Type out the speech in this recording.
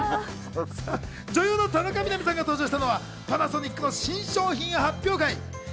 女優の田中みな実さんが登場したのはパナソニックの新商品発表会。